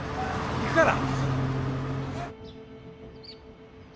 行くから！